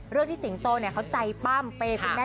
ที่สิงโตเขาใจปั้มเปย์คุณแม่